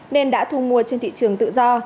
nên đã thu mua trên thị trường tự do